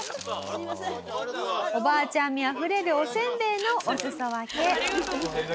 おばあちゃんみあふれるおせんべいのおすそわけ。